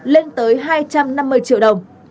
lên tới hai trăm năm mươi triệu đồng